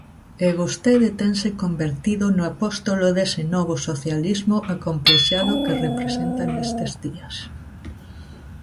E vostede tense convertido no apóstolo dese novo socialismo acomplexado que representan nestes días.